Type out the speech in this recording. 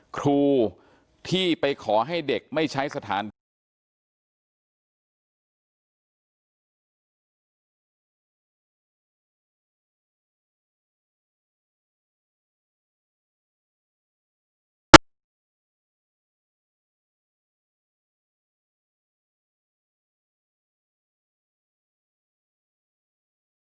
ครูที่ไปขอให้เด็กไม่ใช้สถานที่